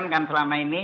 yang pertama lagi